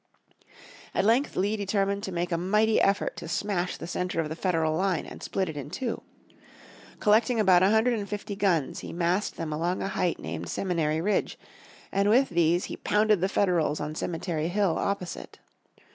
At length Lee determined to make a mighty effort to smash the center of the Federal line, and split it in two. Collecting about a hundred and fifty guns he massed them along a height named Seminary Ridge, and with these he pounded the Federals on Cemetery Hill opposite.